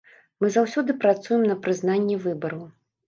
Мы заўсёды працуем на прызнанне выбараў.